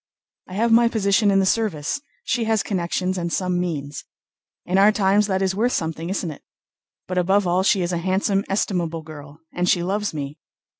I have my position in the service, she has connections and some means. In our times that is worth something, isn't it? But above all, she is a handsome, estimable girl, and she loves me...."